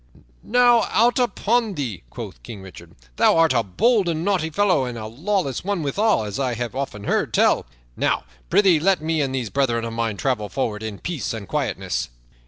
"Now out upon thee!" quoth King Richard. "Thou art a bold and naughty fellow and a lawless one withal, as I have often heard tell. Now, prythee, let me, and these brethren of mine, travel forward in peace and quietness."